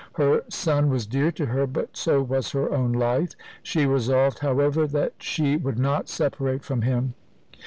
Her son was dear to her, but so was her own life. She resolved, however, that she would not separate from him.